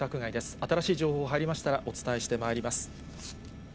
新しい情報が入りましたらお伝えしてまいります。